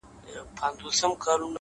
چاته د يار خبري ډيري ښې دي؛a